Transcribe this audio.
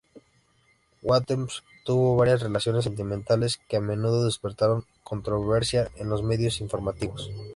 Matthews tuvo varias relaciones sentimentales que a menudo despertaron controversia en los medios informativos.